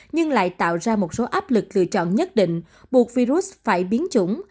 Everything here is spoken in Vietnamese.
nhưng lại tạo ra một số áp lực lựa chọn nhất định buộc virus phải biến chủng